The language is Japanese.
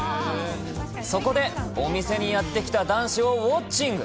そこで、お店にやって来た男子をウォッチング。